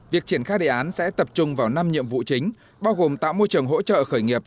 việc triển khai đề án sẽ tập trung vào năm nhiệm vụ chính bao gồm tạo môi trường hỗ trợ khởi nghiệp